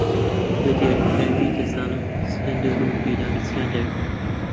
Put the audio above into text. بەدیاریکراوی دەزانم ئەسکەندەر و دیلان چییان دەوێت.